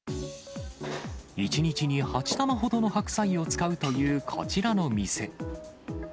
１日に８玉ほどの白菜を使うというこちらの店。